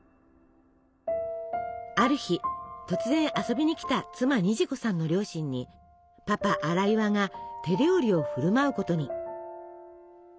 ある日突然遊びにきた妻虹子さんの両親にパパ荒岩が手料理を振る舞うことに。